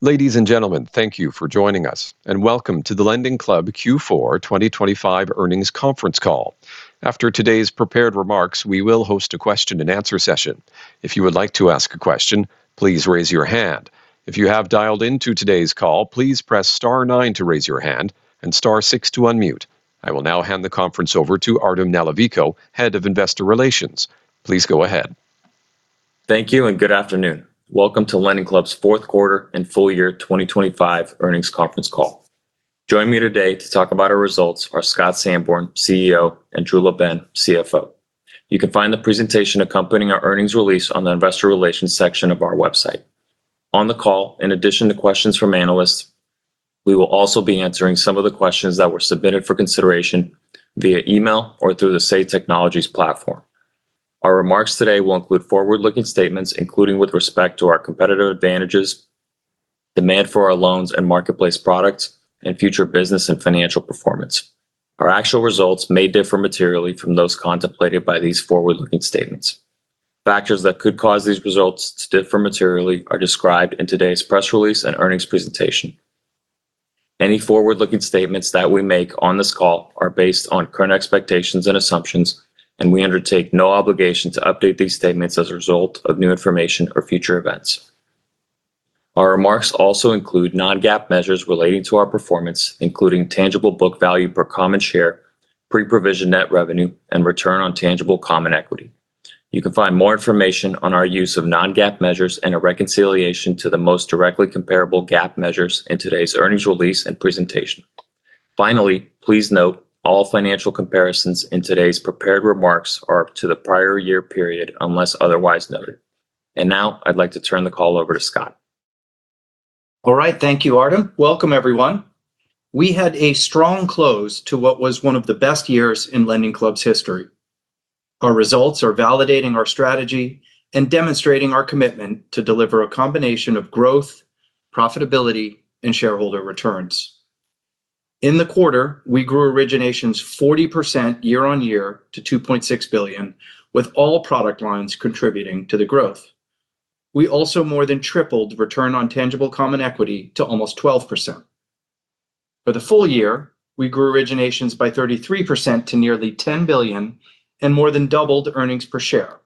Ladies and gentlemen, thank you for joining us, and welcome to the LendingClub Q4 2025 Earnings Conference Call. After today's prepared remarks, we will host a question-and-answer session. If you would like to ask a question, please raise your hand. If you have dialed into today's call, please press star nine to raise your hand and star six to unmute. I will now hand the conference over to Artem Nalivayko, Head of Investor Relations. Please go ahead. Thank you and good afternoon. Welcome to LendingClub's Q4 and full year 2025 earnings conference call. Joining me today to talk about our results are Scott Sanborn, CEO, and Drew LaBenne, CFO. You can find the presentation accompanying our earnings release on the investor relations section of our website. On the call, in addition to questions from analysts, we will also be answering some of the questions that were submitted for consideration via email or through the Say Technologies platform. Our remarks today will include forward-looking statements, including with respect to our competitive advantages, demand for our loans and marketplace products, and future business and financial performance. Our actual results may differ materially from those contemplated by these forward-looking statements. Factors that could cause these results to differ materially are described in today's press release and earnings presentation. Any forward-looking statements that we make on this call are based on current expectations and assumptions, and we undertake no obligation to update these statements as a result of new information or future events. Our remarks also include Non-GAAP measures relating to our performance, including tangible book value per common share, pre-provision net revenue, and return on tangible common equity. You can find more information on our use of Non-GAAP measures and a reconciliation to the most directly comparable GAAP measures in today's earnings release and presentation. Finally, please note, all financial comparisons in today's prepared remarks are to the prior year period, unless otherwise noted. And now I'd like to turn the call over to Scott. All right. Thank you, Artem. Welcome, everyone. We had a strong close to what was one of the best years in LendingClub's history. Our results are validating our strategy and demonstrating our commitment to deliver a combination of growth, profitability, and shareholder returns. In the quarter, we grew originations 40% year-on-year to $2.6 billion, with all product lines contributing to the growth. We also more than tripled return on tangible common equity to almost 12%. For the full year, we grew originations by 33% to nearly $10 billion and more than doubled earnings per share,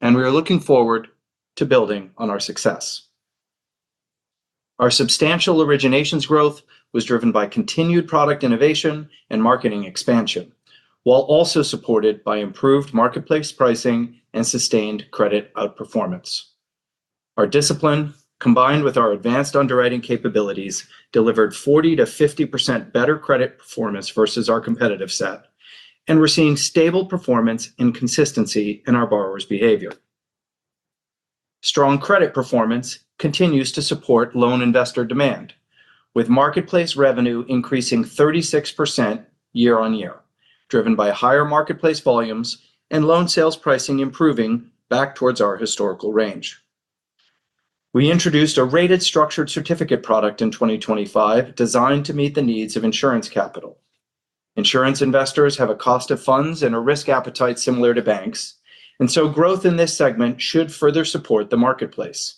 and we are looking forward to building on our success. Our substantial originations growth was driven by continued product innovation and marketing expansion, while also supported by improved marketplace pricing and sustained credit outperformance. Our discipline, combined with our advanced underwriting capabilities, delivered 40%-50% better credit performance versus our competitive set, and we're seeing stable performance and consistency in our borrowers' behavior. Strong credit performance continues to support loan investor demand, with marketplace revenue increasing 36% year-on-year, driven by higher marketplace volumes and loan sales pricing improving back towards our historical range. We introduced a rated Structured Certificates product in 2025, designed to meet the needs of insurance capital. Insurance investors have a cost of funds and a risk appetite similar to banks, and so growth in this segment should further support the marketplace.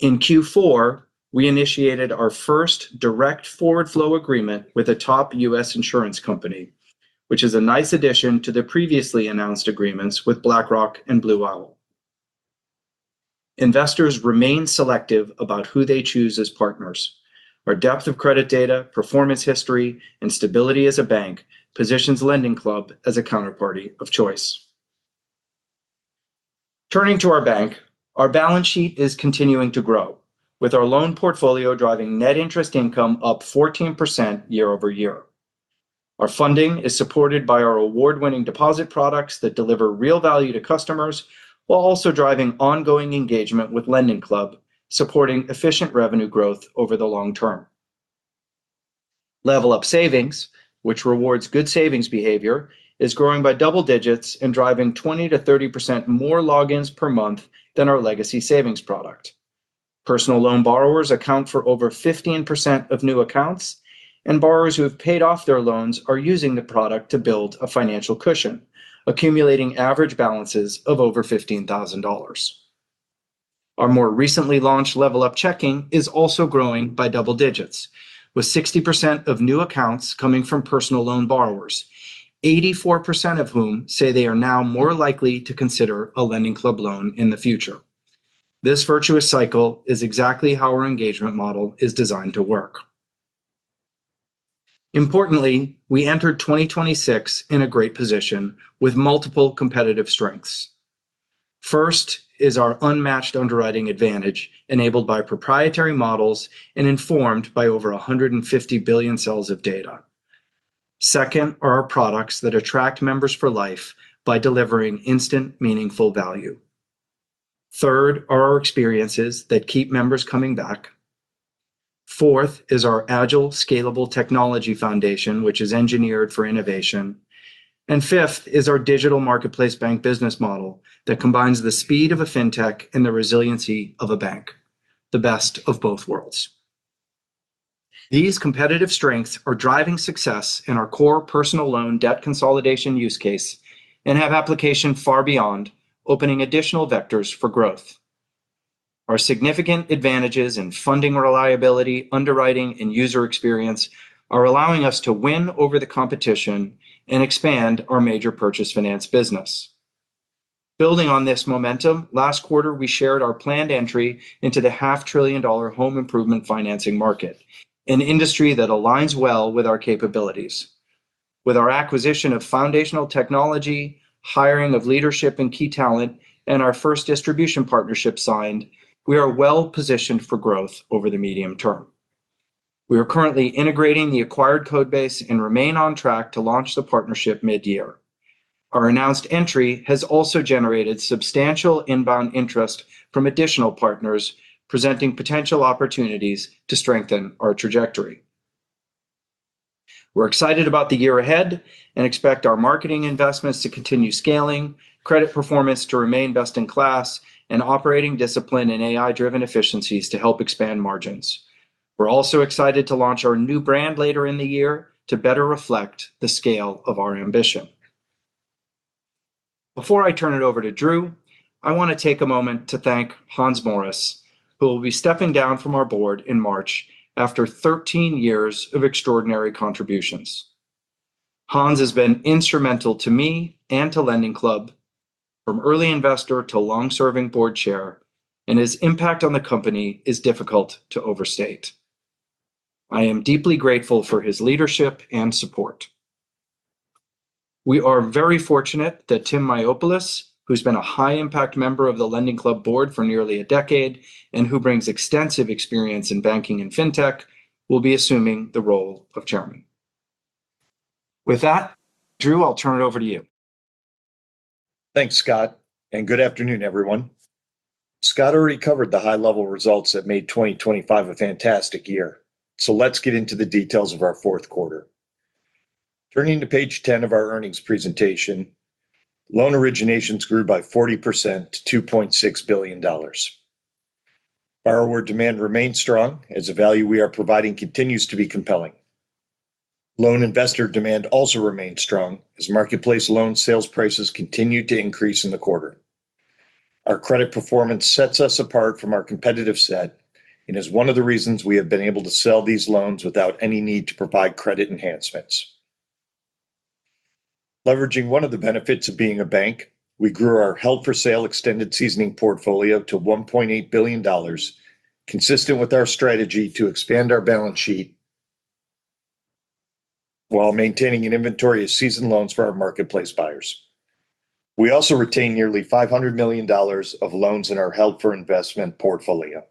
In Q4, we initiated our first direct forward flow agreement with a top U.S. insurance company, which is a nice addition to the previously announced agreements with BlackRock and Blue Owl. Investors remain selective about who they choose as partners. Our depth of credit data, performance history, and stability as a bank positions LendingClub as a counterparty of choice. Turning to our bank, our balance sheet is continuing to grow, with our loan portfolio driving net interest income up 14% year-over-year. Our funding is supported by our award-winning deposit products that deliver real value to customers, while also driving ongoing engagement with LendingClub, supporting efficient revenue growth over the long term. LevelUp Savings, which rewards good savings behavior, is growing by double digits and driving 20%-30% more logins per month than our legacy savings product. Personal loan borrowers account for over 15% of new accounts, and borrowers who have paid off their loans are using the product to build a financial cushion, accumulating average balances of over $15,000. Our more recently launched LevelUp Checking is also growing by double digits, with 60% of new accounts coming from personal loan borrowers, 84% of whom say they are now more likely to consider a LendingClub loan in the future. This virtuous cycle is exactly how our engagement model is designed to work. Importantly, we entered 2026 in a great position with multiple competitive strengths. First is our unmatched underwriting advantage, enabled by proprietary models and informed by over 150 billion cells of data. Second are our products that attract members for life by delivering instant, meaningful value. Third are our experiences that keep members coming back. Fourth is our agile, scalable technology foundation, which is engineered for innovation. Fifth is our digital marketplace bank business model that combines the speed of a fintech and the resiliency of a bank, the best of both worlds.... These competitive strengths are driving success in our core personal loan debt consolidation use case and have application far beyond, opening additional vectors for growth. Our significant advantages in funding reliability, underwriting, and user experience are allowing us to win over the competition and expand our major purchase finance business. Building on this momentum, last quarter, we shared our planned entry into the $500 billion home improvement financing market, an industry that aligns well with our capabilities. With our acquisition of foundational technology, hiring of leadership and key talent, and our first distribution partnership signed, we are well-positioned for growth over the medium term. We are currently integrating the acquired code base and remain on track to launch the partnership mid-year. Our announced entry has also generated substantial inbound interest from additional partners, presenting potential opportunities to strengthen our trajectory. We're excited about the year ahead and expect our marketing investments to continue scaling, credit performance to remain best in class, and operating discipline and AI-driven efficiencies to help expand margins. We're also excited to launch our new brand later in the year to better reflect the scale of our ambition. Before I turn it over to Drew, I want to take a moment to thank Hans Morris, who will be stepping down from our board in March after 13 years of extraordinary contributions. Hans has been instrumental to me and to LendingClub, from early investor to long-serving board chair, and his impact on the company is difficult to overstate. I am deeply grateful for his leadership and support. We are very fortunate that Timothy Mayopoulos, who's been a high-impact member of the LendingClub board for nearly a decade and who brings extensive experience in banking and fintech, will be assuming the role of chairman. With that, Drew, I'll turn it over to you. Thanks, Scott, and good afternoon, everyone. Scott already covered the high-level results that made 2025 a fantastic year. So let's get into the details of our Q4. Turning to page 10 of our earnings presentation, loan originations grew by 40% to $2.6 billion. Borrower demand remained strong as the value we are providing continues to be compelling. Loan investor demand also remained strong as marketplace loan sales prices continued to increase in the quarter. Our credit performance sets us apart from our competitive set and is one of the reasons we have been able to sell these loans without any need to provide credit enhancements. Leveraging one of the benefits of being a bank, we grew our held-for-sale extended seasoning portfolio to $1.8 billion, consistent with our strategy to expand our balance sheet while maintaining an inventory of seasoned loans for our marketplace buyers. We also retained nearly $500 million of loans in our held-for-investment portfolio.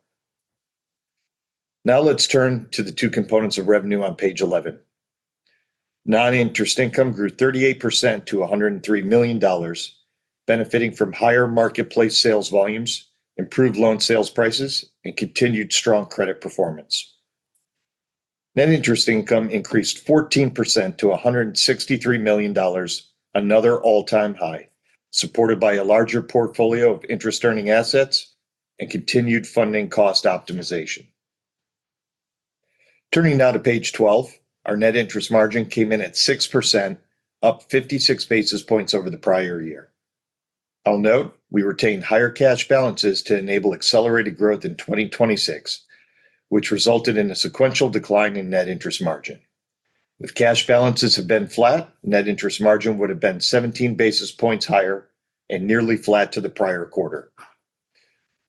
Now let's turn to the two components of revenue on page 11. Non-interest income grew 38% to $103 million, benefiting from higher marketplace sales volumes, improved loan sales prices, and continued strong credit performance. Net interest income increased 14% to $163 million, another all-time high, supported by a larger portfolio of interest-earning assets and continued funding cost optimization. Turning now to page 12, our net interest margin came in at 6%, up 56 basis points over the prior year. I'll note, we retained higher cash balances to enable accelerated growth in 2026, which resulted in a sequential decline in net interest margin. If cash balances had been flat, net interest margin would have been 17 basis points higher and nearly flat to the prior quarter.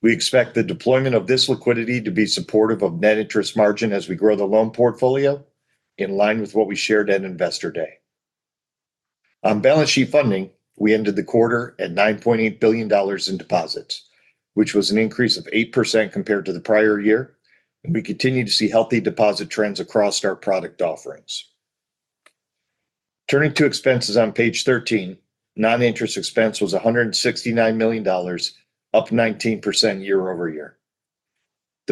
We expect the deployment of this liquidity to be supportive of net interest margin as we grow the loan portfolio, in line with what we shared at Investor Day. On balance sheet funding, we ended the quarter at $9.8 billion in deposits, which was an increase of 8% compared to the prior year, and we continue to see healthy deposit trends across our product offerings. Turning to expenses on page 13, non-interest expense was $169 million, up 19% year-over-year.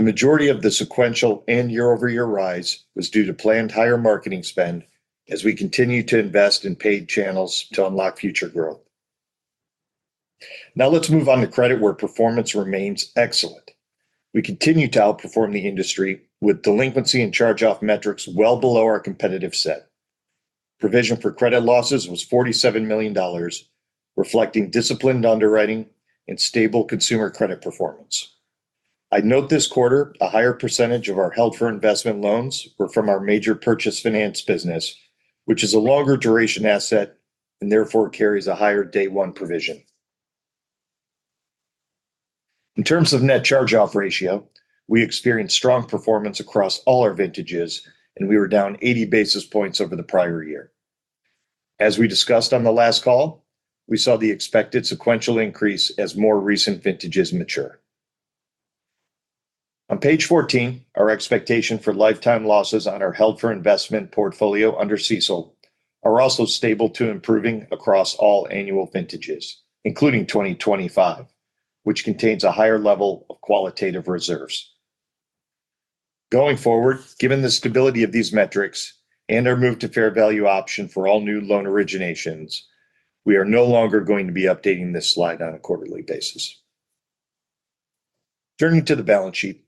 The majority of the sequential and year-over-year rise was due to planned higher marketing spend as we continue to invest in paid channels to unlock future growth. Now let's move on to credit, where performance remains excellent. We continue to outperform the industry with delinquency and charge-off metrics well below our competitive set. Provision for credit losses was $47 million, reflecting disciplined underwriting and stable consumer credit performance. I'd note this quarter, a higher percentage of our held-for-investment loans were from our major purchase finance business, which is a longer-duration asset and therefore carries a higher day one provision. In terms of net charge-off ratio, we experienced strong performance across all our vintages, and we were down 80 basis points over the prior year. As we discussed on the last call, we saw the expected sequential increase as more recent vintages mature. On page 14, our expectation for lifetime losses on our held-for-investment portfolio under CECL are also stable to improving across all annual vintages, including 2025, which contains a higher level of qualitative reserves. Going forward, given the stability of these metrics and our move to Fair Value Option for all new loan originations, we are no longer going to be updating this slide on a quarterly basis. Turning to the balance sheet,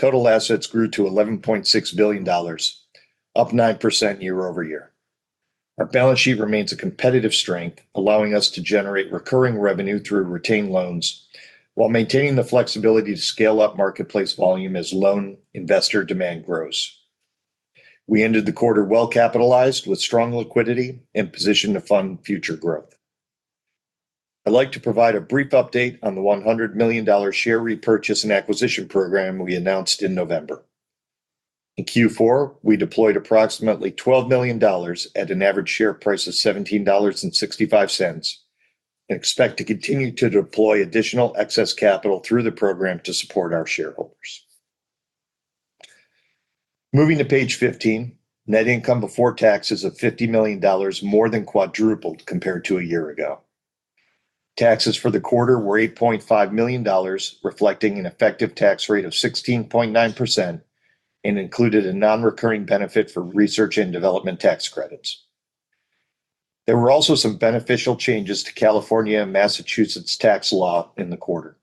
total assets grew to $11.6 billion, up 9% year-over-year. Our balance sheet remains a competitive strength, allowing us to generate recurring revenue through retained loans, while maintaining the flexibility to scale up marketplace volume as loan investor demand grows. We ended the quarter well-capitalized, with strong liquidity and positioned to fund future growth. I'd like to provide a brief update on the $100 million share repurchase and acquisition program we announced in November. In Q4, we deployed approximately $12 million at an average share price of $17.65, and expect to continue to deploy additional excess capital through the program to support our shareholders. Moving to page 15, net income before taxes of $50 million more than quadrupled compared to a year ago. Taxes for the quarter were $8.5 million, reflecting an effective tax rate of 16.9% and included a non-recurring benefit for research and development tax credits. There were also some beneficial changes to California and Massachusetts tax law in the quarter.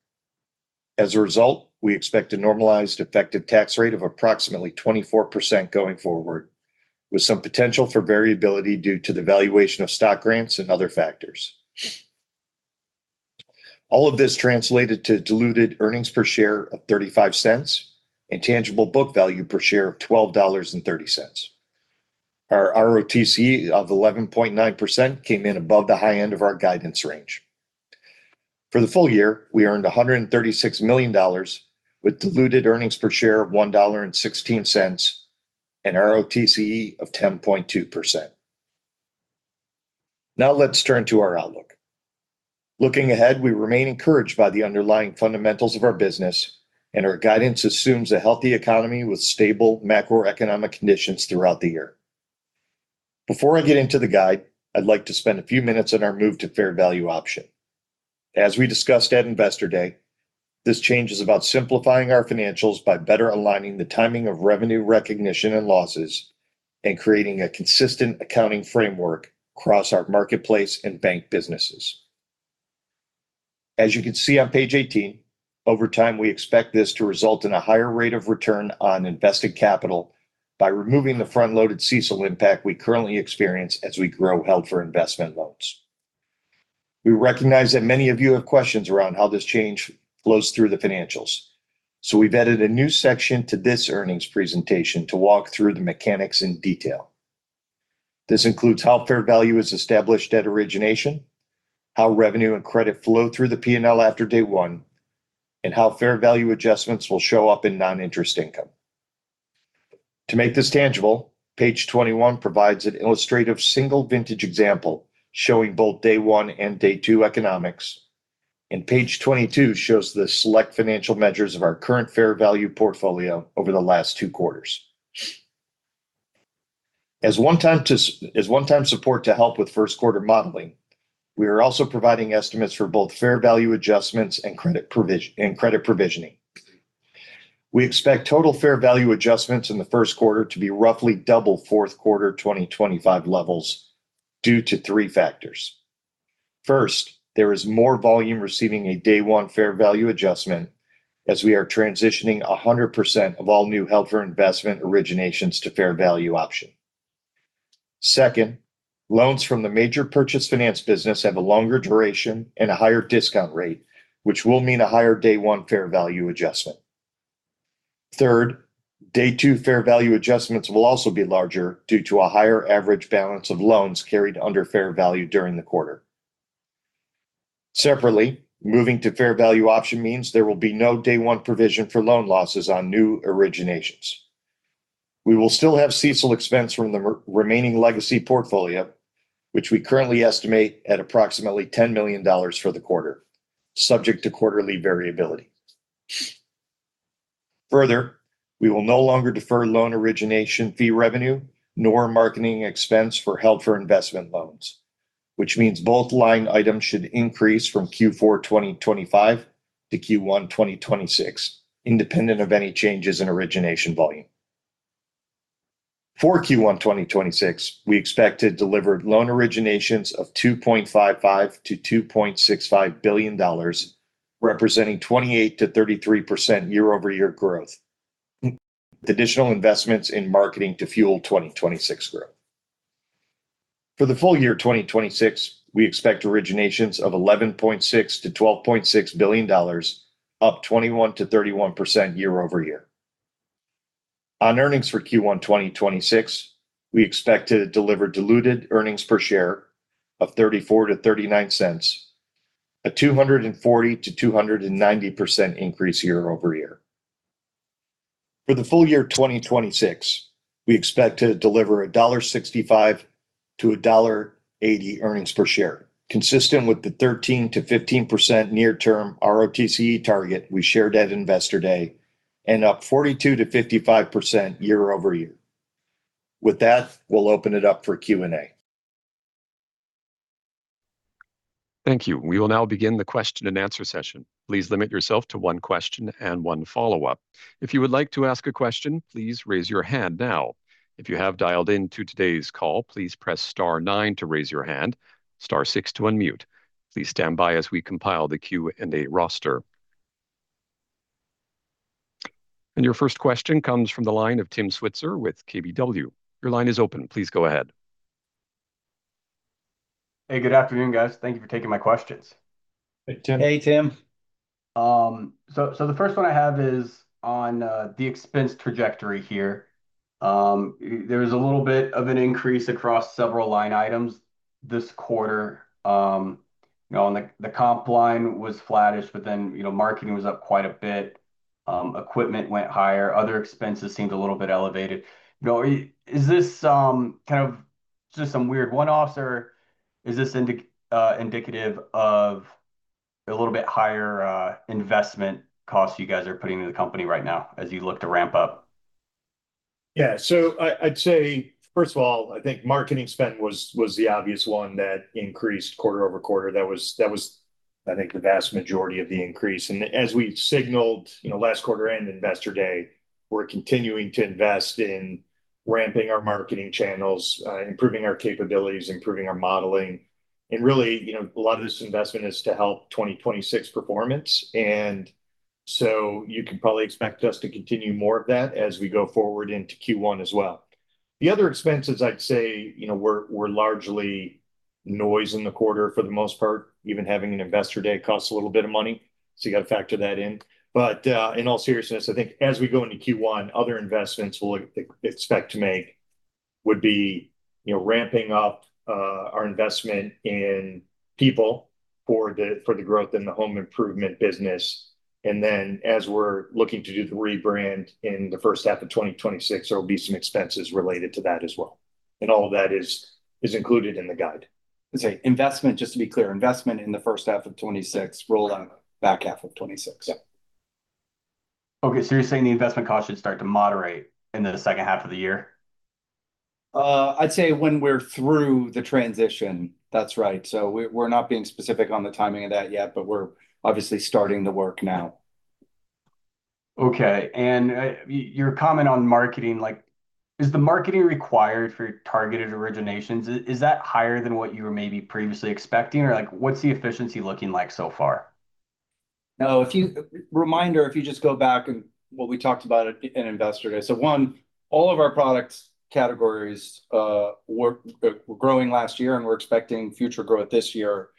As a result, we expect a normalized effective tax rate of approximately 24% going forward, with some potential for variability due to the valuation of stock grants and other factors. All of this translated to diluted earnings per share of $0.35 and tangible book value per share of $12.30. Our ROTCE of 11.9% came in above the high end of our guidance range. For the full year, we earned $136 million, with diluted earnings per share of $1.16 and ROTCE of 10.2%. Now let's turn to our outlook. Looking ahead, we remain encouraged by the underlying fundamentals of our business, and our guidance assumes a healthy economy with stable macroeconomic conditions throughout the year. Before I get into the guide, I'd like to spend a few minutes on our move to fair value option. As we discussed at Investor Day, this change is about simplifying our financials by better aligning the timing of revenue recognition and losses and creating a consistent accounting framework across our marketplace and bank businesses. As you can see on page 18, over time, we expect this to result in a higher rate of return on invested capital by removing the front-loaded CECL impact we currently experience as we grow held-for-investment loans. We recognize that many of you have questions around how this change flows through the financials, so we've added a new section to this earnings presentation to walk through the mechanics in detail. This includes how fair value is established at origination, how revenue and credit flow through the P&L after day one, and how fair value adjustments will show up in non-interest income. To make this tangible, page 21 provides an illustrative single vintage example showing both day one and day two economics, and page 22 shows the select financial measures of our current fair value portfolio over the last Q2. As one-time support to help with Q1 modeling, we are also providing estimates for both fair value adjustments and credit provision, and credit provisioning. We expect total fair value adjustments in the Q1 to be roughly double Q4 2025 levels due to three factors. First, there is more volume receiving a day one fair value adjustment as we are transitioning 100% of all new held-for-investment originations to fair value option. Second, loans from the major purchase finance business have a longer duration and a higher discount rate, which will mean a higher day one fair value adjustment. Third, day two fair value adjustments will also be larger due to a higher average balance of loans carried under fair value during the quarter. Separately, moving to fair value option means there will be no day one provision for loan losses on new originations. We will still have CECL expense from the remaining legacy portfolio, which we currently estimate at approximately $10 million for the quarter, subject to quarterly variability. Further, we will no longer defer loan origination fee revenue nor marketing expense for held-for-investment loans, which means both line items should increase from Q4 2025 to Q1 2026, independent of any changes in origination volume. For Q1 2026, we expect to deliver loan originations of $2.55 billion-$2.65 billion, representing 28%-33% year-over-year growth with additional investments in marketing to fuel 2026 growth. For the full year 2026, we expect originations of $11.6 billion-$12.6 billion, up 21%-31% year-over-year. On earnings for Q1 2026, we expect to deliver diluted earnings per share of $0.34-$0.39, a 240%-290% increase year-over-year. For the full year 2026, we expect to deliver $1.65-$1.80 earnings per share, consistent with the 13%-15% near-term ROTCE target we shared at Investor Day and up 42%-55% year-over-year. With that, we'll open it up for Q&A. Thank you. We will now begin the question-and-answer session. Please limit yourself to one question and one follow-up. If you would like to ask a question, please raise your hand now. If you have dialed in to today's call, please press star nine to raise your hand, star six to unmute. Please stand by as we compile the Q&A roster.... And your first question comes from the line of Tim Switzer with KBW. Your line is open. Please go ahead. Hey, good afternoon, guys. Thank you for taking my questions. Hey, Tim. Hey, Tim. So, so the first one I have is on the expense trajectory here. There is a little bit of an increase across several line items this quarter. You know, and the comp line was flattish, but then, you know, marketing was up quite a bit. Equipment went higher, other expenses seemed a little bit elevated. You know, is this kind of just some weird one-offs, or is this indicative of a little bit higher investment costs you guys are putting into the company right now as you look to ramp up? Yeah. So I'd say, first of all, I think marketing spend was the obvious one that increased quarter-over-quarter. That was, I think, the vast majority of the increase. And as we signaled, you know, last quarter and Investor Day, we're continuing to invest in ramping our marketing channels, improving our capabilities, improving our modeling. And really, you know, a lot of this investment is to help 2026 performance, and so you can probably expect us to continue more of that as we go forward into Q1 as well. The other expenses, I'd say, you know, were largely noise in the quarter for the most part. Even having an Investor Day costs a little bit of money, so you gotta factor that in. But, in all seriousness, I think as we go into Q1, other investments we'll expect to make would be, you know, ramping up our investment in people for the growth in the home improvement business. And then, as we're looking to do the rebrand in the first half of 2026, there will be some expenses related to that as well, and all of that is, is included in the guide. Let's say investment, just to be clear, investment in the first half of 2026, roll down back half of 2026? Yeah. Okay, so you're saying the investment cost should start to moderate in the second half of the year? I'd say when we're through the transition. That's right. So we're not being specific on the timing of that yet, but we're obviously starting the work now. Okay, and, your comment on marketing, like, is the marketing required for targeted originations? Is that higher than what you were maybe previously expecting, or, like, what's the efficiency looking like so far? No, if you... Reminder, if you just go back and what we talked about at in Investor Day. So, one, all of our products categories were growing last year, and we're expecting future growth this year.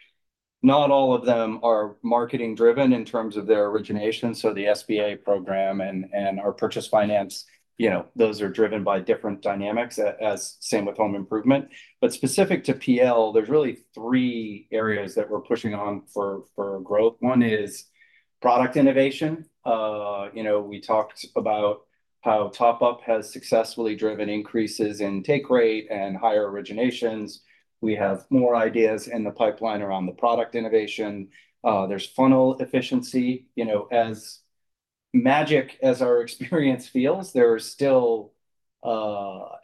Not all of them are marketing-driven in terms of their origination, so the SBA program and our purchase finance, you know, those are driven by different dynamics as same with home improvement. But specific to PL, there's really three areas that we're pushing on for growth. One is product innovation. You know, we talked about how top-up has successfully driven increases in take rate and higher originations. We have more ideas in the pipeline around the product innovation. There's funnel efficiency. You know, as magic as our experience feels, there are still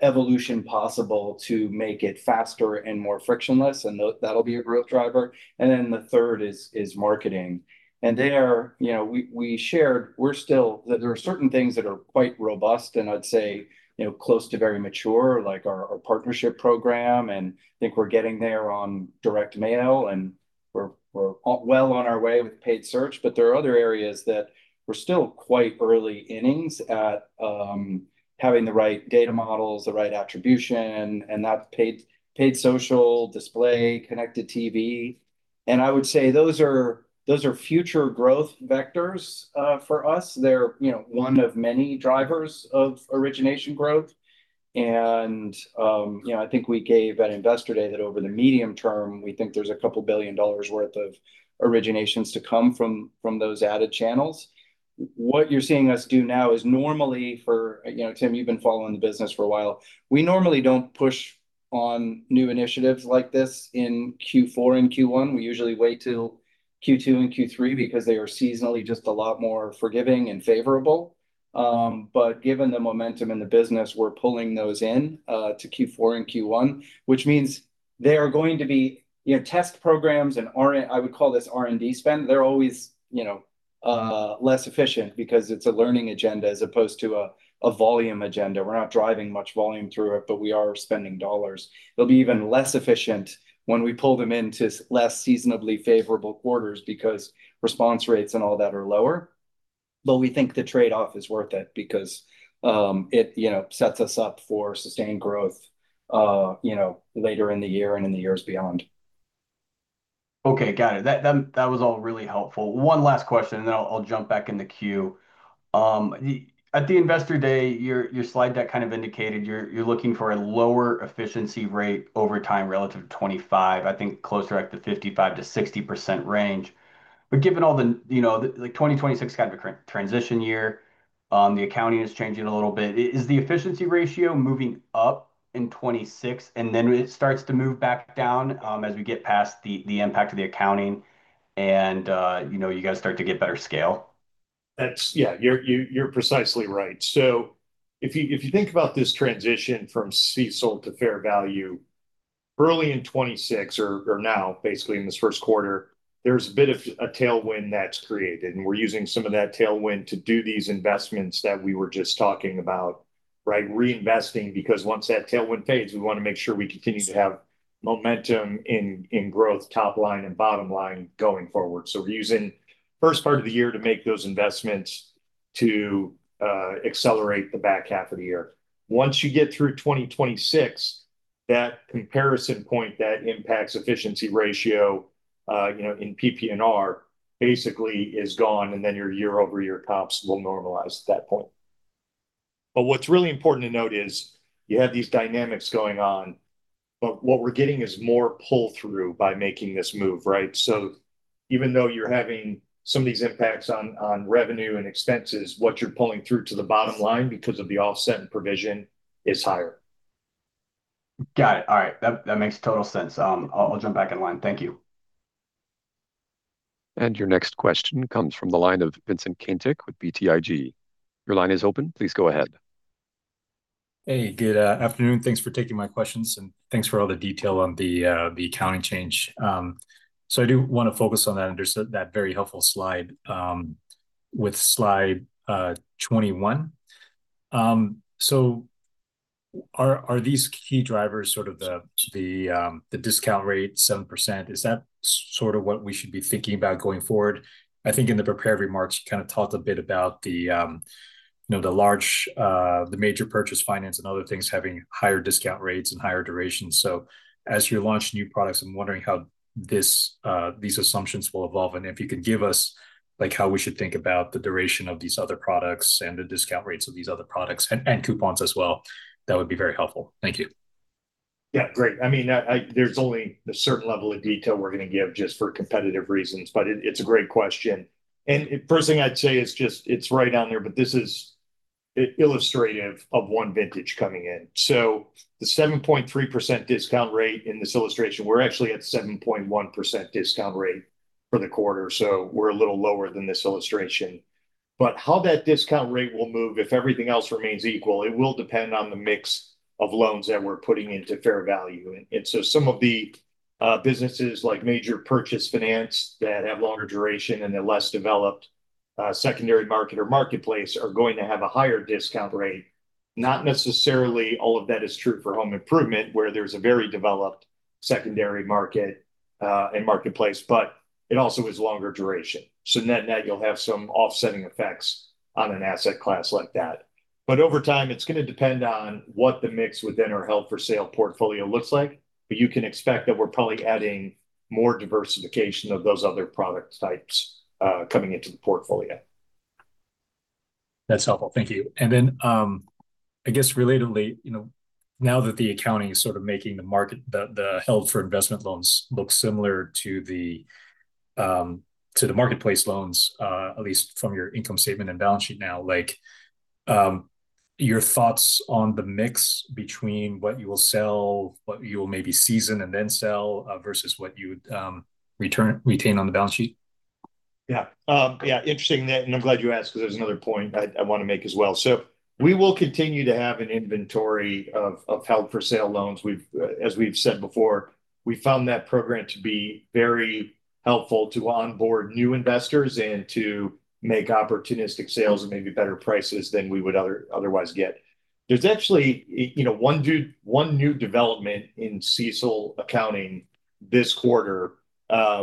evolution possible to make it faster and more frictionless, and that, that'll be a growth driver. And then the third is marketing. And there, you know, we shared we're still that there are certain things that are quite robust, and I'd say, you know, close to very mature, like our partnership program, and I think we're getting there on direct mail, and we're well on our way with paid search. But there are other areas that we're still quite early innings at, having the right data models, the right attribution, and that's paid social, display, connected TV. And I would say those are those are future growth vectors for us. They're, you know, one of many drivers of origination growth. And, you know, I think we gave at Investor Day that over the medium term, we think there's a couple billion dollars worth of originations to come from, from those added channels. What you're seeing us do now is normally for... You know, Tim, you've been following the business for a while. We normally don't push on new initiatives like this in Q4 and Q1. We usually wait till Q2 and Q3 because they are seasonally just a lot more forgiving and favorable. But given the momentum in the business, we're pulling those in, to Q4 and Q1, which means they are going to be, you know, test programs, and R&D spend. They're always, you know, less efficient because it's a learning agenda as opposed to a, a volume agenda. We're not driving much volume through it, but we are spending dollars. They'll be even less efficient when we pull them into less seasonably favorable quarters because response rates and all that are lower. But we think the trade-off is worth it because, it, you know, sets us up for sustained growth, you know, later in the year and in the years beyond. Okay, got it. That was all really helpful. One last question, and then I'll jump back in the queue. At the Investor Day, your slide deck kind of indicated you're looking for a lower efficiency rate over time relative to 25, I think closer to the 55%-60% range. But given all the, you know, the, like, 2026 kind of a transition year, the accounting is changing a little bit. Is the efficiency ratio moving up in 2026, and then it starts to move back down, as we get past the impact of the accounting and, you know, you guys start to get better scale? Yeah, you're precisely right. So if you think about this transition from CECL to fair value, early in 2026 or now, basically in this Q1, there's a bit of a tailwind that's created, and we're using some of that tailwind to do these investments that we were just talking about, right? Reinvesting, because once that tailwind fades, we want to make sure we continue to have momentum in growth, top line and bottom line going forward. So we're using first part of the year to make those investments to accelerate the back half of the year. Once you get through 2026, that comparison point that impacts efficiency ratio, you know, in PPNR, basically is gone, and then your year-over-year comps will normalize at that point. But what's really important to note is you have these dynamics going on, but what we're getting is more pull-through by making this move, right? So even though you're having some of these impacts on revenue and expenses, what you're pulling through to the bottom line, because of the offset in provision, is higher. Got it. All right, that makes total sense. I'll jump back in line. Thank you. Your next question comes from the line of Vincent Caintic with BTIG. Your line is open. Please go ahead. Hey, good afternoon. Thanks for taking my questions, and thanks for all the detail on the, the accounting change. So I do wanna focus on that, and there's that very helpful slide, with slide 21. So are these key drivers sort of the, the, the discount rate, 7%, is that sort of what we should be thinking about going forward? I think in the prepared remarks, you kind of talked a bit about the, you know, the large, the major purchase finance and other things having higher discount rates and higher duration. So as you launch new products, I'm wondering how this, these assumptions will evolve, and if you could give us, like, how we should think about the duration of these other products and the discount rates of these other products, and, and coupons as well, that would be very helpful. Thank you. Yeah, great. I mean, there's only a certain level of detail we're gonna give just for competitive reasons, but it's a great question. And first thing I'd say is just, it's right on there, but this is illustrative of one vintage coming in. So the 7.3% discount rate in this illustration, we're actually at 7.1% discount rate for the quarter, so we're a little lower than this illustration. But how that discount rate will move if everything else remains equal, it will depend on the mix of loans that we're putting into fair value. And so some of the businesses, like major purchase finance, that have longer duration and they're less developed secondary market or marketplace, are going to have a higher discount rate. Not necessarily all of that is true for home improvement, where there's a very developed secondary market and marketplace, but it also is longer duration. So net/net, you'll have some offsetting effects on an asset class like that. But over time, it's gonna depend on what the mix within our held-for-sale portfolio looks like, but you can expect that we're probably adding more diversification of those other product types coming into the portfolio. That's helpful. Thank you. I guess relatedly, you know, now that the accounting is sort of making the held-for-investment loans look similar to the marketplace loans, at least from your income statement and balance sheet now, like, your thoughts on the mix between what you will sell, what you will maybe season and then sell, versus what you would retain on the balance sheet? Yeah. Yeah, interesting that, and I'm glad you asked, 'cause there's another point I, I wanna make as well. So we will continue to have an inventory of held-for-sale loans. We've, as we've said before, we found that program to be very helpful to onboard new investors and to make opportunistic sales at maybe better prices than we would otherwise get. There's actually, you know, one new development in CECL accounting this quarter,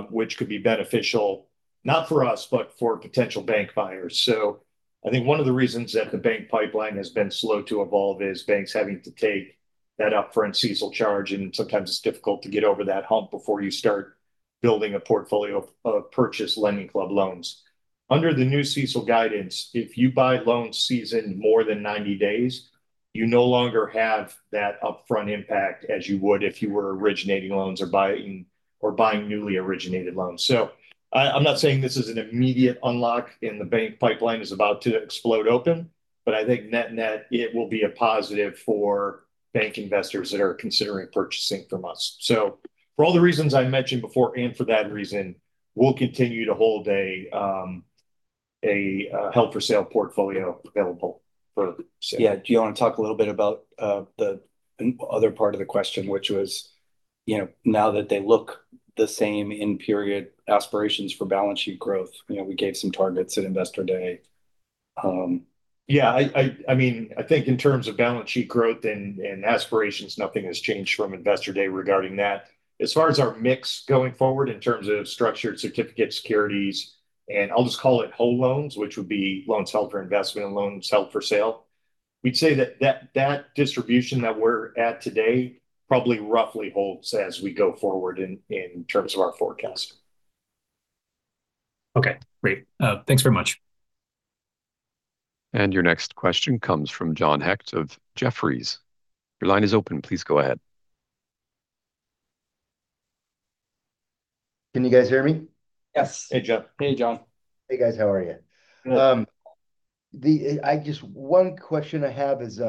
which could be beneficial, not for us, but for potential bank buyers. So I think one of the reasons that the bank pipeline has been slow to evolve is banks having to take that upfront CECL charge, and sometimes it's difficult to get over that hump before you start building a portfolio of purchase LendingClub loans. Under the new CECL guidance, if you buy loans seasoned more than 90 days, you no longer have that upfront impact as you would if you were originating loans or buying, or buying newly originated loans. So I, I'm not saying this is an immediate unlock and the bank pipeline is about to explode open, but I think net-net, it will be a positive for bank investors that are considering purchasing from us. So for all the reasons I mentioned before, and for that reason, we'll continue to hold a, a, held-for-sale portfolio available for sale. Yeah, do you wanna talk a little bit about the other part of the question, which was, you know, now that they look the same in period, aspirations for balance sheet growth? You know, we gave some targets at Investor Day. Yeah, I mean, I think in terms of balance sheet growth and aspirations, nothing has changed from Investor Day regarding that. As far as our mix going forward, in terms of Structured Certificates, and I'll just call it whole loans, which would be held-for-investment loans and held-for-sale loans, we'd say that distribution that we're at today probably roughly holds as we go forward in terms of our forecast. Okay, great. Thanks very much. And your next question comes from John Hecht of Jefferies. Your line is open. Please go ahead. Can you guys hear me? Yes. Hey, John. Hey, John. Hey, guys, how are you? Good. I just, one question I have is,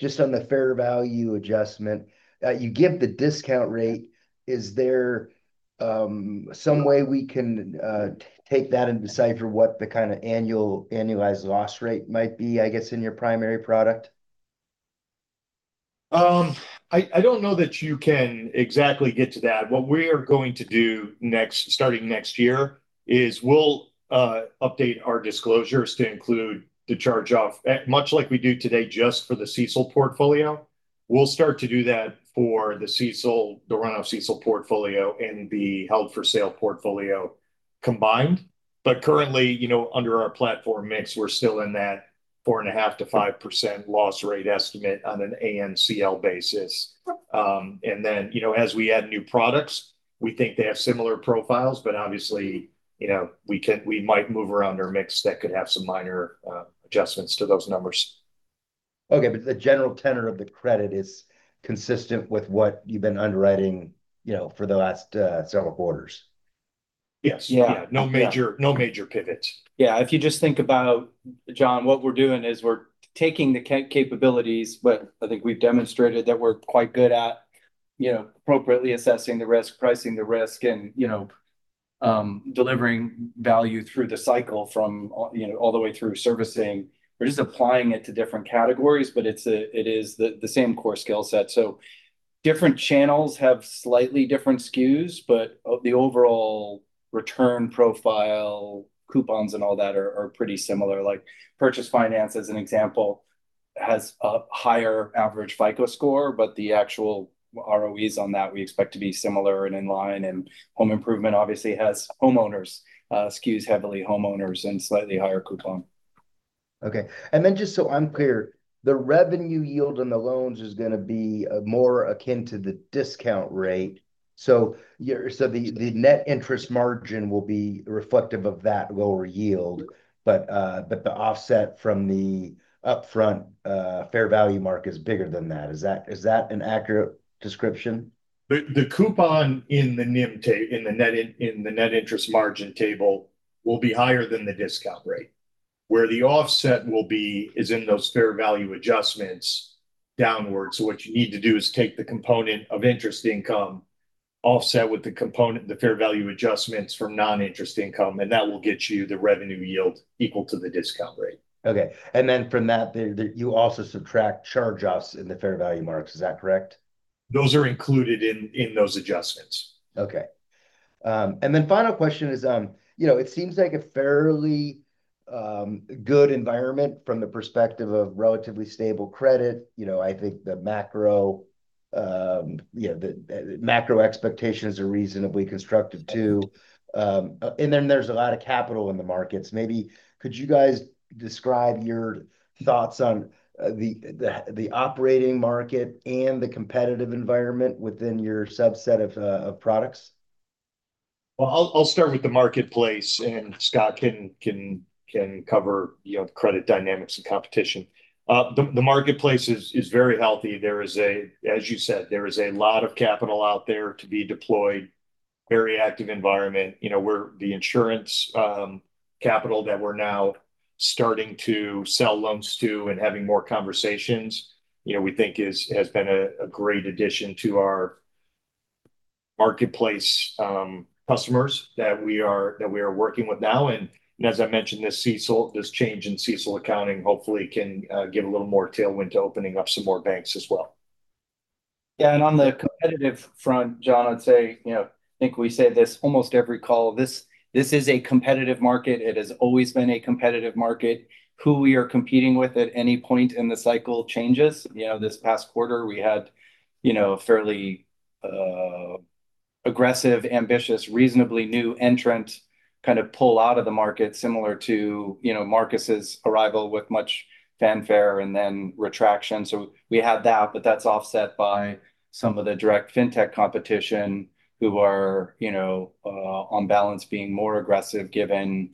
just on the fair value adjustment. You give the discount rate. Is there some way we can take that and decipher what the kind of annualized loss rate might be, I guess, in your primary product? I don't know that you can exactly get to that. What we are going to do next, starting next year, is we'll update our disclosures to include the charge-off, much like we do today, just for the CECL portfolio. We'll start to do that for the CECL, the run-off CECL portfolio and the held-for-sale portfolio… combined. But currently, you know, under our platform mix, we're still in that 4.5%-5% loss rate estimate on an ANCL basis. And then, you know, as we add new products, we think they have similar profiles, but obviously, you know, we can, we might move around our mix. That could have some minor adjustments to those numbers. Okay, but the general tenor of the credit is consistent with what you've been underwriting, you know, for the last several quarters? Yes. Yeah. No major pivots. Yeah, if you just think about, John, what we're doing is we're taking the capabilities, but I think we've demonstrated that we're quite good at, you know, appropriately assessing the risk, pricing the risk, and, you know, delivering value through the cycle from, you know, all the way through servicing. We're just applying it to different categories, but it is the, the same core skill set. So different channels have slightly different SKUs, but the overall return profile, coupons and all that are, are pretty similar. Like, purchase finance, as an example, has a higher average FICO score, but the actual ROEs on that we expect to be similar and in line. And home improvement obviously has homeowners, SKUs, heavily homeowners and slightly higher coupon. Okay. And then just so I'm clear, the revenue yield on the loans is gonna be more akin to the discount rate. So yeah, so the, the net interest margin will be reflective of that lower yield, but, but the offset from the upfront fair value mark is bigger than that. Is that, is that an accurate description? The coupon in the NIM in the Net Interest Margin table will be higher than the discount rate. Where the offset will be is in those fair value adjustments downwards. So what you need to do is take the component of interest income, offset with the component, the fair value adjustments from non-interest income, and that will get you the revenue yield equal to the discount rate. Okay. And then from that, you also subtract charge-offs in the fair value marks, is that correct? Those are included in those adjustments. Okay. And then the final question is, you know, it seems like a fairly good environment from the perspective of relatively stable credit. You know, I think the macro, you know, the macro expectations are reasonably constructive, too. And then there's a lot of capital in the markets. Maybe could you guys describe your thoughts on the operating market and the competitive environment within your subset of products? Well, I'll start with the marketplace, and Scott can cover, you know, credit dynamics and competition. The marketplace is very healthy. There is, as you said, a lot of capital out there to be deployed, very active environment. You know, we're the insurance capital that we're now starting to sell loans to and having more conversations, you know, we think has been a great addition to our marketplace, customers that we are working with now. And as I mentioned, this CECL, this change in CECL accounting hopefully can give a little more tailwind to opening up some more banks as well. Yeah, and on the competitive front, John, I'd say, you know, I think we say this almost every call, this is a competitive market. It has always been a competitive market. Who we are competing with at any point in the cycle changes. You know, this past quarter we had, you know, a fairly aggressive, ambitious, reasonably new entrant kind of pull out of the market, similar to, you know, Marcus's arrival with much fanfare and then retraction. So we had that, but that's offset by some of the direct fintech competition, who are, you know, on balance, being more aggressive given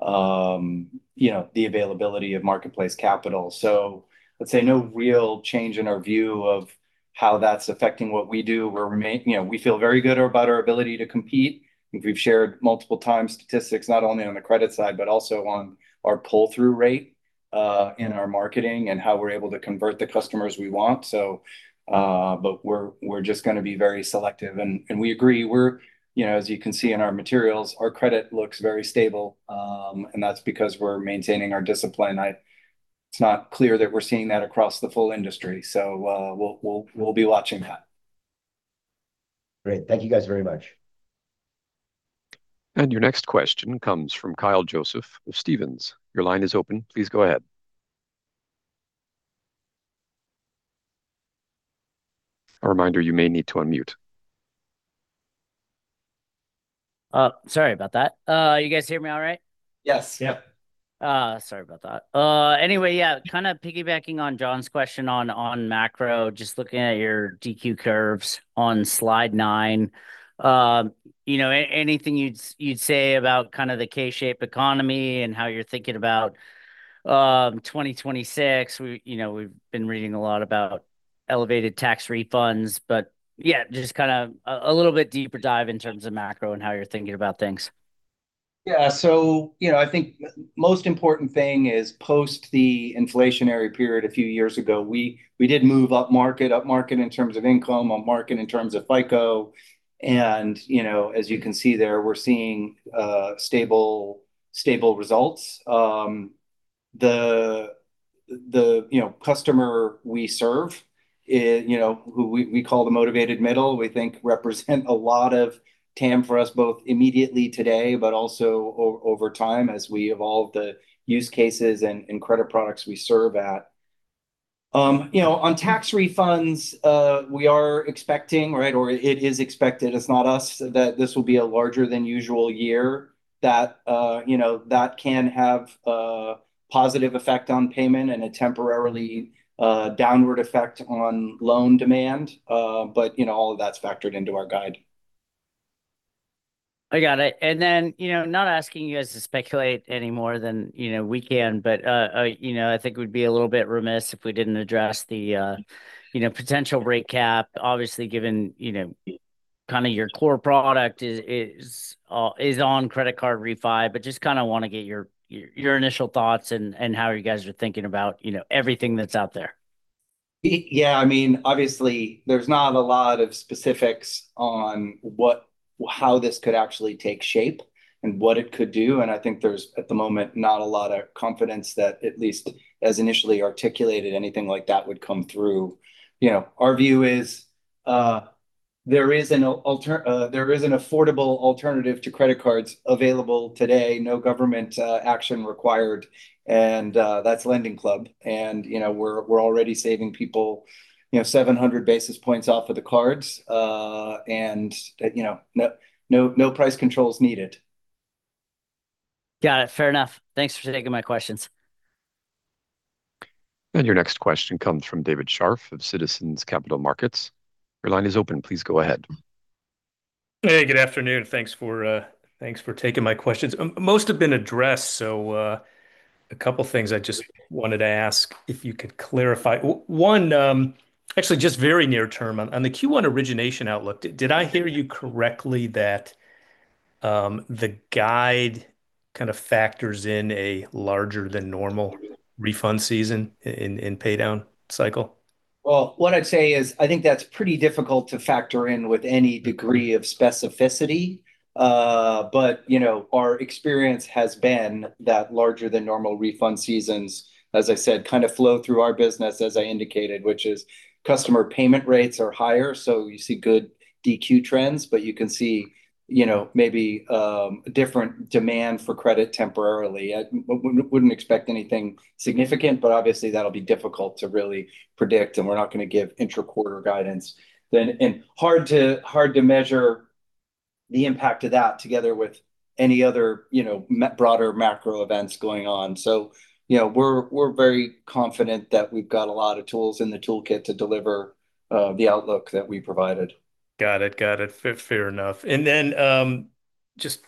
the availability of marketplace capital. So I'd say no real change in our view of how that's affecting what we do. We're rema- you know, we feel very good about our ability to compete. I think we've shared multiple times statistics, not only on the credit side, but also on our pull-through rate in our marketing and how we're able to convert the customers we want. So, but we're just gonna be very selective. And we agree, you know, as you can see in our materials, our credit looks very stable, and that's because we're maintaining our discipline. It's not clear that we're seeing that across the full industry, so we'll be watching that. Great. Thank you, guys, very much. Your next question comes from Kyle Joseph of Stephens. Your line is open. Please go ahead. A reminder, you may need to unmute. Sorry about that. You guys hear me all right? Yes. Yep. Sorry about that. Anyway, yeah, kind of piggybacking on John's question on macro, just looking at your DQ curves on slide 9, you know, anything you'd say about kind of the K-shape economy and how you're thinking about 2026? You know, we've been reading a lot about elevated tax refunds, but yeah, just kind of a little bit deeper dive in terms of macro and how you're thinking about things. Yeah, so, you know, I think most important thing is post the inflationary period a few years ago, we did move up market, up market in terms of income, upmarket in terms of FICO. And, you know, as you can see there, we're seeing stable, stable results. The, the, you know, customer we serve, you know, who we call the motivated middle, we think represent a lot of TAM for us, both immediately today, but also over time as we evolve the use cases and credit products we serve. Um, you know, on tax refunds, we are expecting, right, or it is expected, it's not us, that this will be a larger than usual year that, you know, that can have a positive effect on payment and a temporarily downward effect on loan demand. But, you know, all of that's factored into our guide. I got it. And then, you know, not asking you guys to speculate any more than, you know, we can, but you know, I think it would be a little bit remiss if we didn't address the, you know, potential rate cap, obviously, given, you know, kind of your core product is on credit card refi. But just kind of want to get your initial thoughts and how you guys are thinking about, you know, everything that's out there. Yeah, I mean, obviously there's not a lot of specifics on what, how this could actually take shape and what it could do, and I think there's, at the moment, not a lot of confidence that at least as initially articulated, anything like that would come through. You know, our view is, there is an affordable alternative to credit cards available today, no government action required, and that's LendingClub. And, you know, we're already saving people, you know, 700 basis points off of the cards, and, you know, no, no, no price controls needed. Got it. Fair enough. Thanks for taking my questions. Your next question comes from David Scharf of Citizens Capital Markets. Your line is open. Please go ahead. Hey, good afternoon. Thanks for, thanks for taking my questions. Most have been addressed, so, a couple of things I just wanted to ask, if you could clarify. One, actually just very near term. On the Q1 origination outlook, did I hear you correctly that the guide kind of factors in a larger than normal refund season in paydown cycle? Well, what I'd say is, I think that's pretty difficult to factor in with any degree of specificity. But, you know, our experience has been that larger than normal refund seasons, as I said, kind of flow through our business, as I indicated, which is customer payment rates are higher, so you see good DQ trends, but you can see, you know, maybe different demand for credit temporarily. I wouldn't expect anything significant, but obviously that'll be difficult to really predict, and we're not going to give intra-quarter guidance then. And hard to measure the impact of that together with any other, you know, broader macro events going on. So, you know, we're very confident that we've got a lot of tools in the toolkit to deliver the outlook that we provided. Got it, got it. Fair, fair enough. And then, just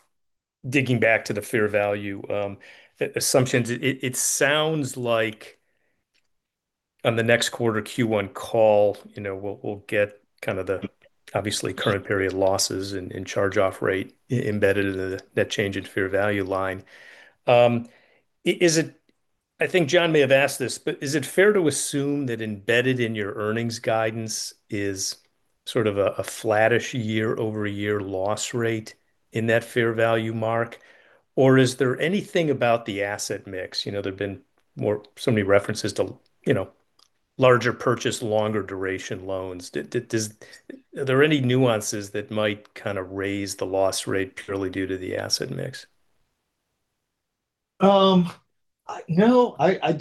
digging back to the fair value, the assumptions, it sounds like on the next Q1 call, you know, we'll get kind of the obviously current period losses and charge-off rate embedded in the net change in fair value line. Is it... I think John may have asked this, but is it fair to assume that embedded in your earnings guidance is sort of a flattish year-over-year loss rate in that fair value mark? Or is there anything about the asset mix? You know, there have been more so many references to, you know, larger purchase, longer duration loans. Does are there any nuances that might kind of raise the loss rate purely due to the asset mix? No, I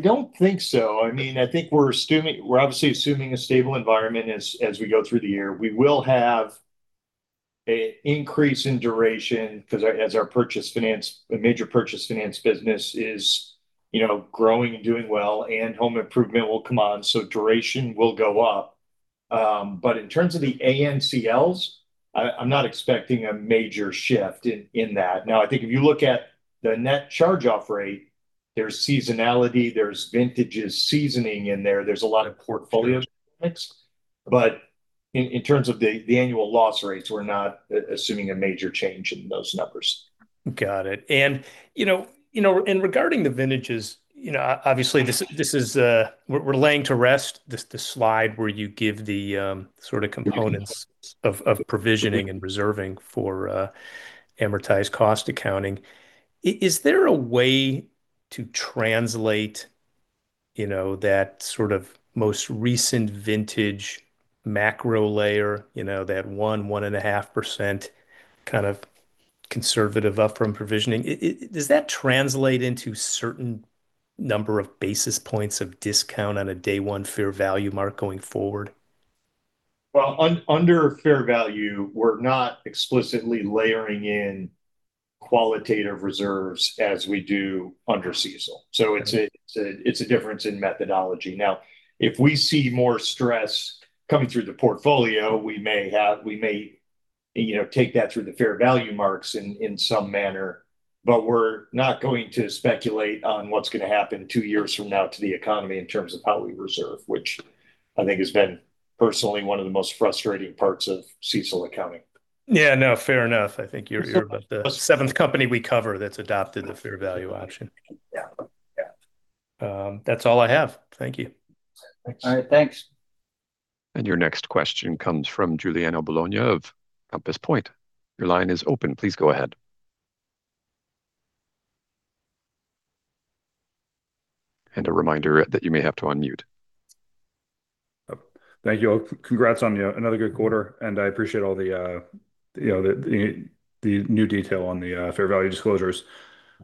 don't think so. I mean, I think we're assuming—we're obviously assuming a stable environment as we go through the year. We will have an increase in duration, 'cause our—as our purchase finance, the major purchase finance business is, you know, growing and doing well, and home improvement will come on, so duration will go up. But in terms of the ANCLs, I'm not expecting a major shift in that. Now, I think if you look at the net charge-off rate, there's seasonality, there's vintages, seasoning in there, there's a lot of portfolio mix. But in terms of the annual loss rates, we're not assuming a major change in those numbers. Got it. And, you know, you know, in regarding the vintages, you know, obviously, this is, we're laying to rest the slide where you give the sort of components of provisioning and reserving for amortized cost accounting. Is there a way to translate, you know, that sort of most recent vintage macro layer, you know, that 1.5% kind of conservative upfront provisioning? Does that translate into certain number of basis points of discount on a day one fair value mark going forward? Well, under fair value, we're not explicitly layering in qualitative reserves as we do under CECL. So it's a difference in methodology. Now, if we see more stress coming through the portfolio, we may, you know, take that through the fair value marks in some manner. But we're not going to speculate on what's gonna happen two years from now to the economy in terms of how we reserve, which I think has been personally one of the most frustrating parts of CECL accounting. Yeah, no, fair enough. I think you're, you're the seventh company we cover that's adopted the Fair Value Option. Yeah. Yeah. That's all I have. Thank you. Thanks. All right, thanks. Your next question comes from Giuliano Bologna of Compass Point. Your line is open. Please go ahead. A reminder that you may have to unmute.... Thank you. Congrats on, you know, another good quarter, and I appreciate all the, the new detail on the fair value disclosures.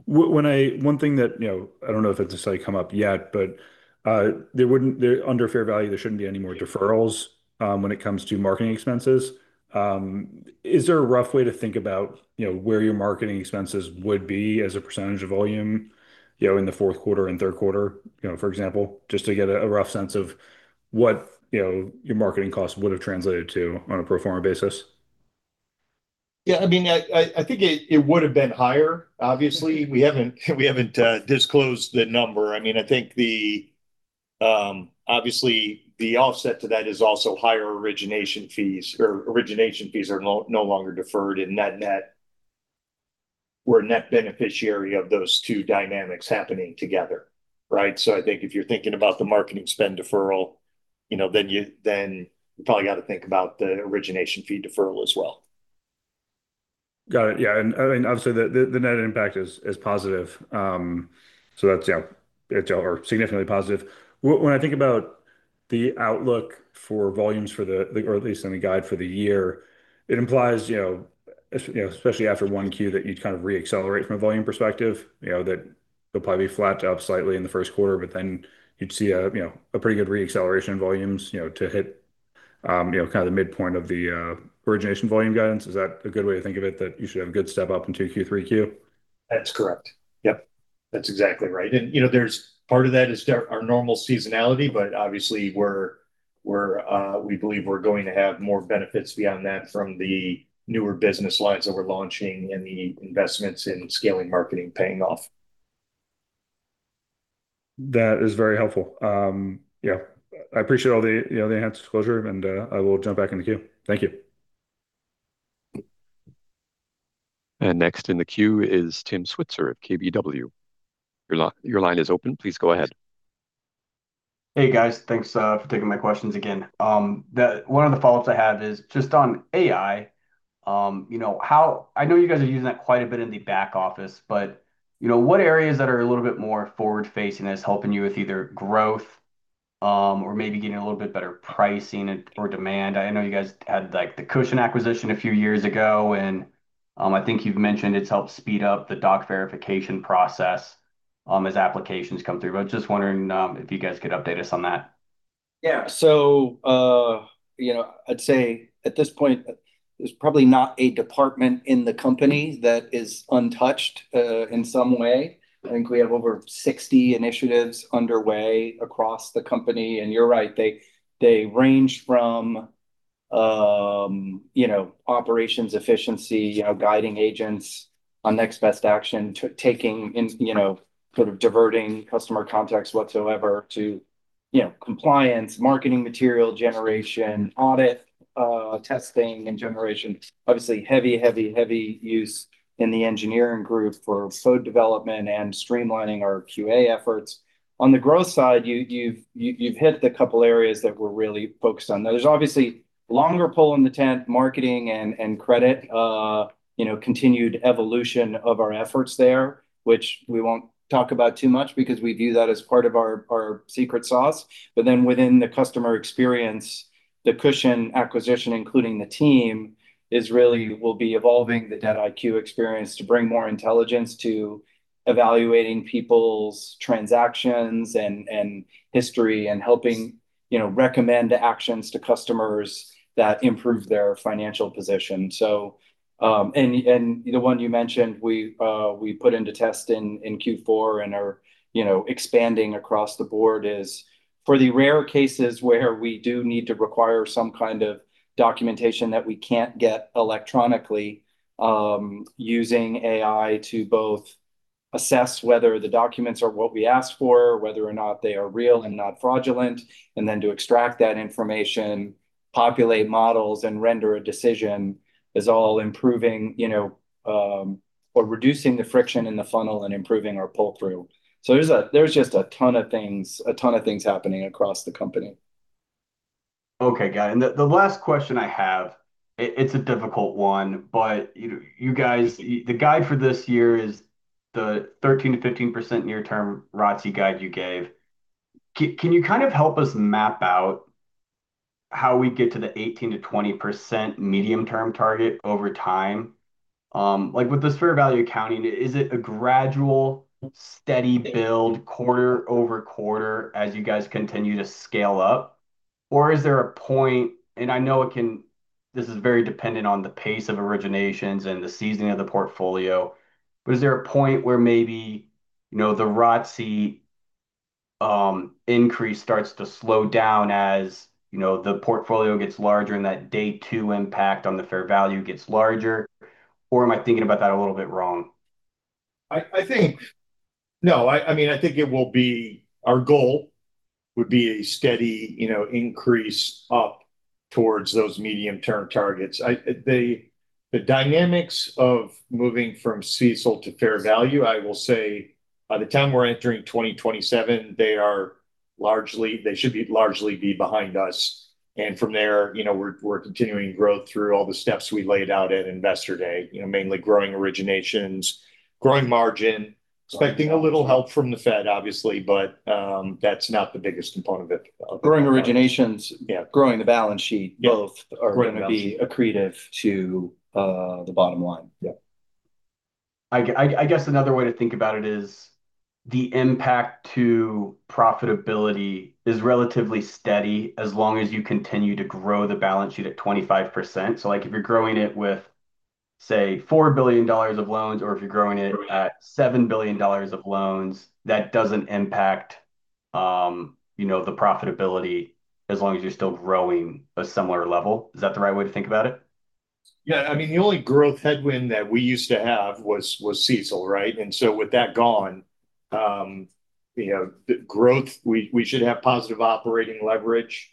When one thing that, you know, I don't know if it's necessarily come up yet, but there wouldn't, there under fair value, there shouldn't be any more deferrals when it comes to marketing expenses. Is there a rough way to think about, you know, where your marketing expenses would be as a percentage of volume, you know, in the Q4r and Q3, you know, for example, just to get a rough sense of what, you know, your marketing costs would have translated to on a pro forma basis? Yeah, I mean, I think it would've been higher. Obviously, we haven't disclosed the number. I mean, I think obviously, the offset to that is also higher origination fees, or origination fees are no longer deferred, and net-net, we're a net beneficiary of those two dynamics happening together, right? So I think if you're thinking about the marketing spend deferral, you know, then you probably gotta think about the origination fee deferral as well. Got it. Yeah, and obviously, the net impact is positive. So that's, yeah, it's significantly positive. When I think about the outlook for volumes for the year, or at least in the guide for the year, it implies, you know, especially after Q1, that you'd kind of reaccelerate from a volume perspective. You know, that you'll probably be flat to up slightly in the Q1, but then you'd see a, you know, a pretty good re-acceleration in volumes, you know, to hit, you know, kind of the midpoint of the origination volume guidance. Is that a good way to think of it, that you should have a good step-up into Q3, Q4? That's correct. Yep, that's exactly right. You know, there's part of that is our normal seasonality, but obviously, we believe we're going to have more benefits beyond that from the newer business lines that we're launching and the investments in scaling marketing paying off. That is very helpful. Yeah, I appreciate all the, you know, the enhanced disclosure, and, I will jump back in the queue. Thank you. Next in the queue is Tim Switzer of KBW. Your line is open. Please go ahead. Hey, guys. Thanks for taking my questions again. One of the follow-ups I have is just on AI. You know, how... I know you guys are using that quite a bit in the back office, but, you know, what areas that are a little bit more forward-facing that's helping you with either growth, or maybe getting a little bit better pricing or demand? I know you guys had, like, the Cushion acquisition a few years ago, and, I think you've mentioned it's helped speed up the doc verification process, as applications come through. But just wondering, if you guys could update us on that. Yeah. So, you know, I'd say at this point, there's probably not a department in the company that is untouched in some way. I think we have over 60 initiatives underway across the company, and you're right, they range from, you know, operations efficiency, you know, guiding agents on next best action, to taking in, you know, sort of diverting customer contacts whatsoever, to, you know, compliance, marketing material generation, audit, testing and generation. Obviously, heavy, heavy, heavy use in the engineering group for code development and streamlining our QA efforts. On the growth side, you've hit the couple areas that we're really focused on. There's obviously a longer pole in the tent, marketing and credit, you know, continued evolution of our efforts there, which we won't talk about too much because we view that as part of our secret sauce. But then within the customer experience, the Cushion acquisition, including the team, will be evolving the DebtIQ experience to bring more intelligence to evaluating people's transactions and history and helping, you know, recommend the actions to customers that improve their financial position. So, and the one you mentioned, we put into test in Q4 and are, you know, expanding across the board, is for the rare cases where we do need to require some kind of documentation that we can't get electronically, using AI to both assess whether the documents are what we asked for, whether or not they are real and not fraudulent, and then to extract that information, populate models, and render a decision, is all improving, you know, or reducing the friction in the funnel and improving our pull-through. So there's just a ton of things, a ton of things happening across the company. Okay, got it. And the last question I have, it's a difficult one, but, you know, you guys, the guide for this year is the 13%-15% near-term ROTCE guide you gave. Can you kind of help us map out how we get to the 18%-20% medium-term target over time? Like, with this fair value accounting, is it a gradual, steady build quarter-over-quarter as you guys continue to scale up, or is there a point... I know this is very dependent on the pace of originations and the seasoning of the portfolio, but is there a point where maybe, you know, the ROTCE increase starts to slow down as, you know, the portfolio gets larger and that day two impact on the fair value gets larger, or am I thinking about that a little bit wrong? I mean, I think it will be our goal would be a steady, you know, increase up towards those medium-term targets. The dynamics of moving from CECL to fair value, I will say, by the time we're entering 2027, they should be largely behind us.... and from there, you know, we're continuing growth through all the steps we laid out at Investor Day. You know, mainly growing originations, growing margin, expecting a little help from the Fed, obviously, but that's not the biggest component of it. Growing originations- Yeah... growing the balance sheet- Yeah both are going to be accretive to the bottom line. Yeah. I guess another way to think about it is the impact to profitability is relatively steady as long as you continue to grow the balance sheet at 25%. So, like, if you're growing it with, say, $4 billion of loans, or if you're growing it- Right... at $7 billion of loans, that doesn't impact, you know, the profitability as long as you're still growing a similar level. Is that the right way to think about it? Yeah, I mean, the only growth headwind that we used to have was CECL, right? And so with that gone, you know, the growth, we should have positive operating leverage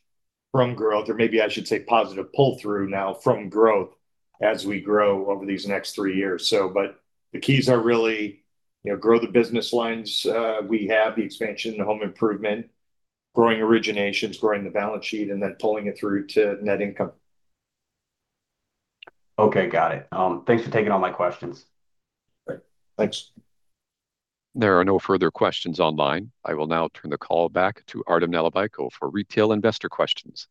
from growth, or maybe I should say positive pull-through now from growth as we grow over these next three years. So but the keys are really, you know, grow the business lines. We have the expansion in home improvement, growing originations, growing the balance sheet, and then pulling it through to net income. Okay, got it. Thanks for taking all my questions. Great. Thanks. There are no further questions online. I will now turn the call back to Artem Nalivaylo for retail investor questions.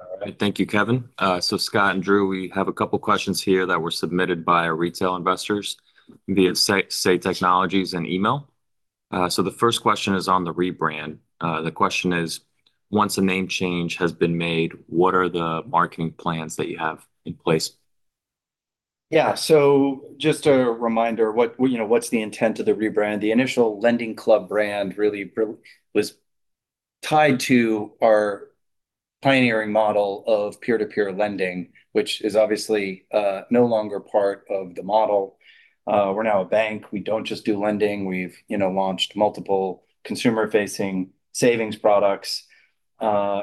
All right. Thank you, Kevin. So Scott and Drew, we have a couple questions here that were submitted by our retail investors via Say Technologies and email. So the first question is on the rebrand. The question is: Once a name change has been made, what are the marketing plans that you have in place? Yeah, so just a reminder, what, you know, what's the intent of the rebrand? The initial LendingClub brand really, really was tied to our pioneering model of peer-to-peer lending, which is obviously no longer part of the model. We're now a bank. We don't just do lending. We've, you know, launched multiple consumer-facing savings products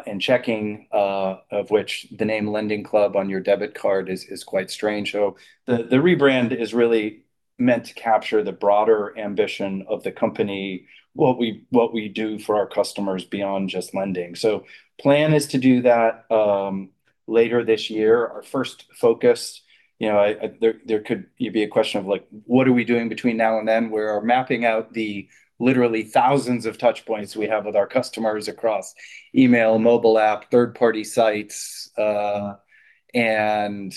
and checking, of which the name LendingClub on your debit card is quite strange. So the rebrand is really meant to capture the broader ambition of the company, what we do for our customers beyond just lending. So plan is to do that later this year. Our first focus, you know. There could be a question of, like, what are we doing between now and then? We're mapping out the literally thousands of touchpoints we have with our customers across email, mobile app, third-party sites, and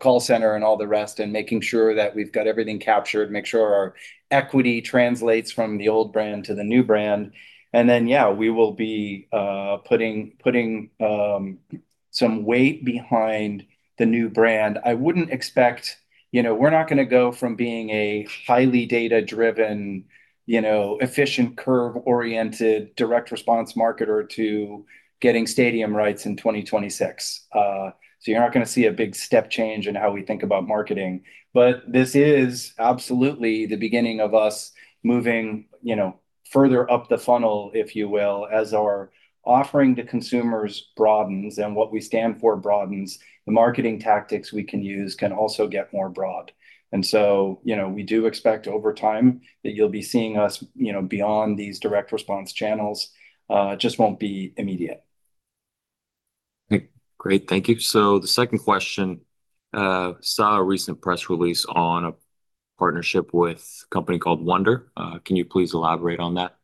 call center and all the rest, and making sure that we've got everything captured, make sure our equity translates from the old brand to the new brand. And then, yeah, we will be putting some weight behind the new brand. I wouldn't expect... You know, we're not gonna go from being a highly data-driven, you know, efficient, curve-oriented, direct response marketer to getting stadium rights in 2026. So you're not gonna see a big step change in how we think about marketing. But this is absolutely the beginning of us moving, you know, further up the funnel, if you will. As our offering to consumers broadens and what we stand for broadens, the marketing tactics we can use can also get more broad. So, you know, we do expect over time that you'll be seeing us, you know, beyond these direct response channels. Just won't be immediate. Great. Thank you. So the second question, saw a recent press release on a partnership with a company called Wonder. Can you please elaborate on that?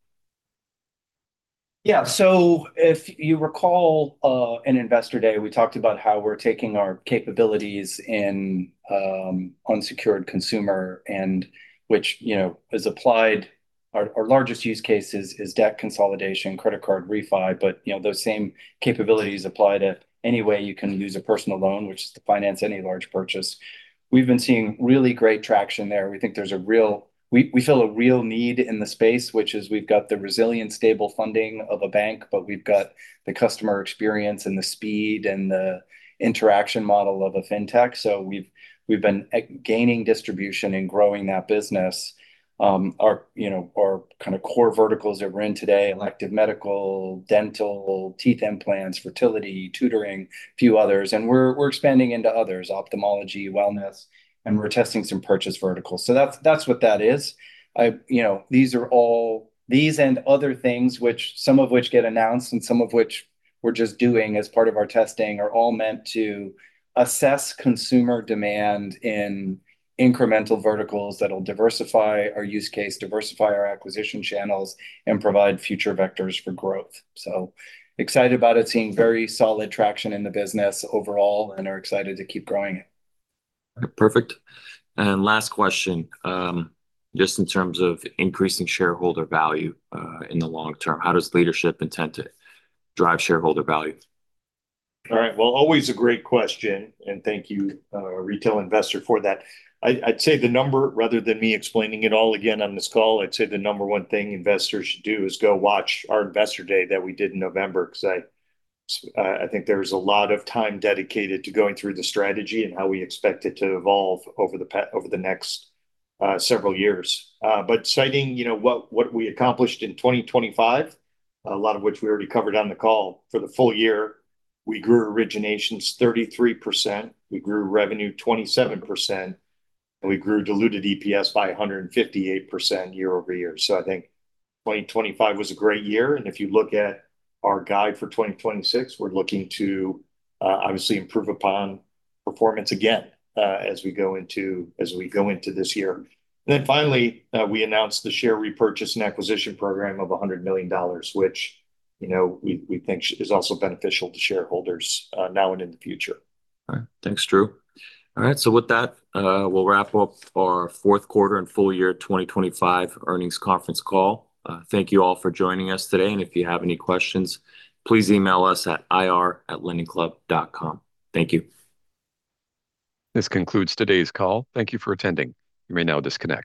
Yeah, so if you recall in Investor Day, we talked about how we're taking our capabilities in unsecured consumer, and which, you know, is applied. Our largest use case is debt consolidation, credit card refi, but, you know, those same capabilities apply to any way you can use a personal loan, which is to finance any large purchase. We've been seeing really great traction there. We think there's a real need in the space, which is we've got the resilient, stable funding of a bank, but we've got the customer experience, and the speed, and the interaction model of a fintech. So we've been gaining distribution and growing that business. You know, our kind of core verticals that we're in today, elective medical, dental, teeth implants, fertility, tutoring, a few others, and we're expanding into others, ophthalmology, wellness, and we're testing some purchase verticals. So that's what that is. You know, these are all these and other things which, some of which get announced and some of which we're just doing as part of our testing, are all meant to assess consumer demand in incremental verticals that'll diversify our use case, diversify our acquisition channels, and provide future vectors for growth. So excited about it, seeing very solid traction in the business overall and are excited to keep growing it. Perfect. And last question, just in terms of increasing shareholder value, in the long term, how does leadership intend to drive shareholder value? All right. Well, always a great question, and thank you, retail investor, for that. I, I'd say the number- rather than me explaining it all again on this call, I'd say the number one thing investors should do is go watch our Investor Day that we did in November, 'cause I think there's a lot of time dedicated to going through the strategy and how we expect it to evolve over the next several years. But citing, you know, what, what we accomplished in 2025, a lot of which we already covered on the call, for the full year, we grew originations 33%, we grew revenue 27%, and we grew diluted EPS by 158% year-over-year. So I think 2025 was a great year, and if you look at our guide for 2026, we're looking to obviously improve upon performance again as we go into this year. And then finally, we announced the share repurchase and acquisition program of $100 million, which, you know, we think is also beneficial to shareholders now and in the future. All right. Thanks, Drew. All right, so with that, we'll wrap up our Q4 and full year 2025 earnings conference call. Thank you all for joining us today, and if you have any questions, please email us at ir@lendingclub.com. Thank you. This concludes today's call. Thank you for attending. You may now disconnect.